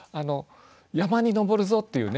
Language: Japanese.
山に登るぞっていうね